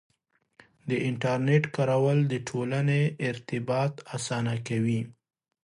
د انټرنیټ کارول د ټولنې ارتباط اسانه کوي.